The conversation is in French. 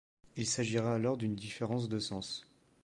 Il s'agira alors d'une différence de sens.